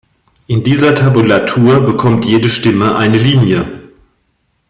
In dieser Tabulatur bekommt jede Stimme eine Linie.